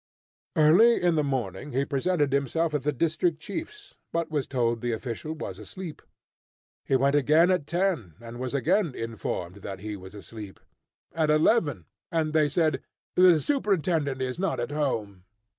Early in the morning, he presented himself at the district chief's, but was told the official was asleep. He went again at ten and was again informed that he was asleep. At eleven, and they said, "The superintendent is not at home."